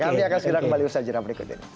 kami akan segera kembali bersajaran berikutnya